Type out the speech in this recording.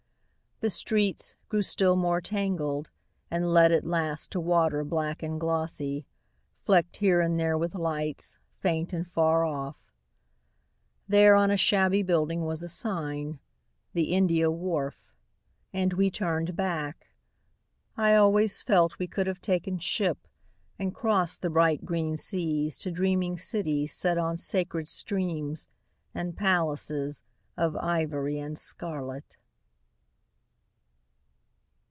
... The streets grew still more tangled, And led at last to water black and glossy, Flecked here and there with lights, faint and far off. There on a shabby building was a sign "The India Wharf "... and we turned back. I always felt we could have taken ship And crossed the bright green seas To dreaming cities set on sacred streams And palaces Of ivory and scarlet.